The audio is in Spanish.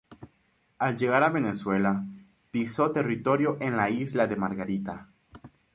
Al llegar a Venezuela, pisó territorio en la Isla de Margarita.